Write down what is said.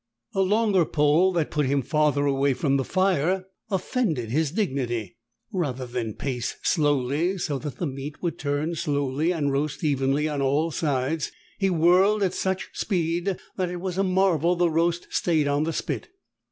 A longer pole that put him farther away from the fire offended his dignity. Rather than pace slowly, so that the meat would turn slowly and roast evenly on all sides, he whirled at such speed that it was a marvel the roast stayed on the spit.